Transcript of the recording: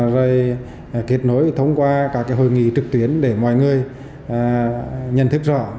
rồi kết nối thông qua các hội nghị trực tuyến để mọi người nhận thức rõ